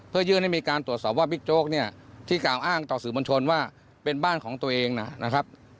เพื่อยื่นให้มีการตรวจสอบว่าบิ๊กโจ๊กเนี่ยที่กล่าวอ้างต่อสื่อมวลชนว่าเป็นบ้านของตัวเองนะครับ